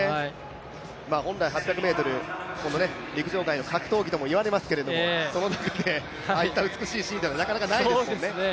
本来８００ｍ、陸上界の格闘技とも呼ばれますけれどもその中でああいった美しいというシーンはなかなかないですからね。